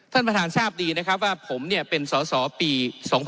ท่านประธานทราบดีนะครับว่าผมเป็นสอสอปี๒๕๖๒